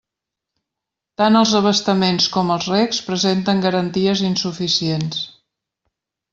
Tant els abastaments com els regs presenten garanties insuficients.